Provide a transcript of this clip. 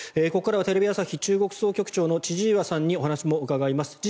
ここからはテレビ朝日中国総局長の千々岩さんにもお話も伺います。